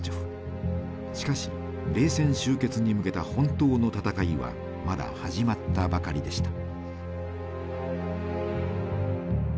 しかし冷戦終結に向けた本当の闘いはまだ始まったばかりでした。